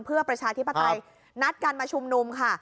เพื่อประชาธิปไตยนัดการมาชุมนุมค่ะ